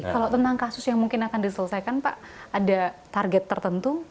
kalau tentang kasus yang mungkin akan diselesaikan pak ada target tertentu